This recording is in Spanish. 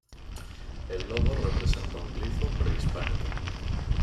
El logo representa un glifo prehispánico.